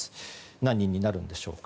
何人になるんでしょうか。